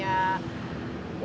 saya juga punya